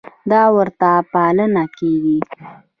دا ورته پاملرنه کېږي.